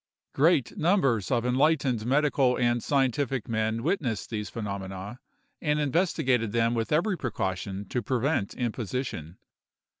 Great numbers of enlightened medical and scientific men witnessed these phenomena, and investigated them with every precaution to prevent imposition.